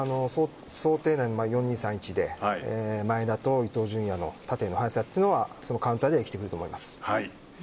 想定内の４−２−３−１で前田と伊東純也の縦の速さがカウンターでは生きてくると思います。